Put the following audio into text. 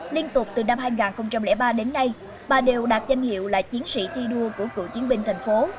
liên tục từ năm hai nghìn ba đến nay bà đều đạt danh hiệu là chiến sĩ thi đua của cựu chiến binh thành phố